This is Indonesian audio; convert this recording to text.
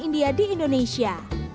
dia mencoba masakan indonesia